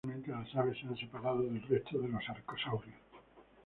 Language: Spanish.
Tradicionalmente, las aves se han separado del resto de los arcosaurios.